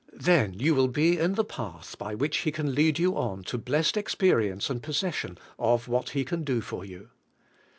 Then you will be in the path by which He can lead you on to blessed experience and possession of what He can do for you.